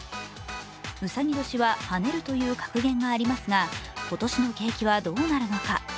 うさぎ年は跳ねるという格言がありますが、今年の景気はどうなるのか。